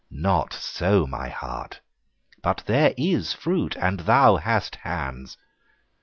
No so, my heart: but there is fruit, And thou hast hands.